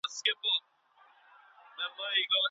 د طلاق پر مشروعيت باندي د مسلمانانو اجماع ده.